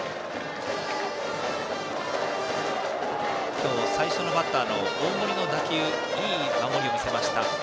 今日、最初のバッターの大森の打球でいい守りを見せました